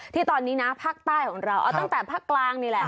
ที่ตอนนี้นะภาคใต้ของเราเอาตั้งแต่ภาคกลางนี่แหละ